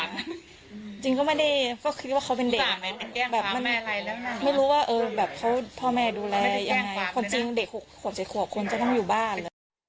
คนจริงเด็กหัวเจ็ดขวบคนจะต้องอยู่บ้าน